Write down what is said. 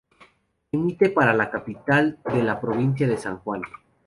Emite para la capital de la provincia de San Juan.